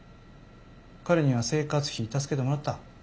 彼には生活費助けてもらった？